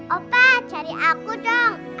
opa cari aku dong